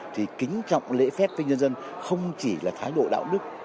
thì kính trọng lễ phép với nhân dân không chỉ là thái độ đạo đức